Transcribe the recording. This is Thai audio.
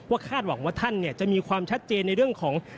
คาดหวังว่าท่านจะมีความชัดเจนในเรื่องของ